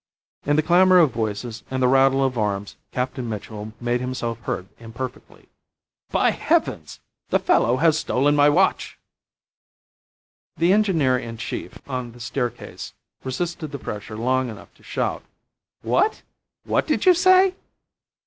In the clamour of voices and the rattle of arms, Captain Mitchell made himself heard imperfectly: "By heavens! the fellow has stolen my watch." The engineer in chief on the staircase resisted the pressure long enough to shout, "What? What did you say?"